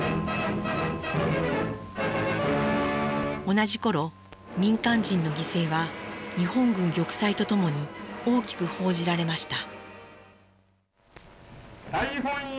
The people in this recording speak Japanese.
同じ頃民間人の犠牲は日本軍玉砕とともに大きく報じられました。